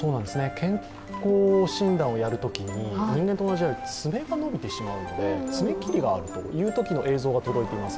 健康診断をやるときに人間と同じで爪が伸びてしまうので、爪切りをするときの映像が届いています。